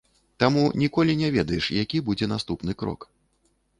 Таму ніколі не ведаеш, які будзе наступны крок.